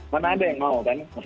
mana ada yang mau kan